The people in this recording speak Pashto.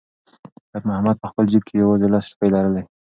خیر محمد په خپل جېب کې یوازې لس روپۍ لرلې.